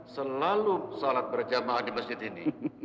selalu sholat berjamaah di masjid ini